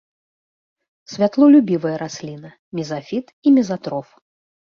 Святлолюбівая расліна, мезафіт і мезатроф.